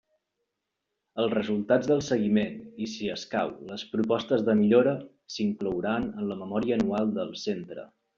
Els resultats del seguiment i, si escau, les propostes de millora, s'inclouran en la memòria anual del centre.